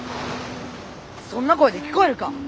そんな声で聞こえるか！